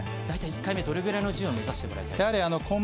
大体１回目どれくらいの順位を目指してもらいたいですか。